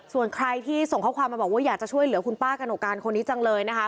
ส่วนใครที่ส่งข้อความมาบอกว่าอยากจะช่วยเหลือคุณป้ากระหนกการคนนี้จังเลยนะคะ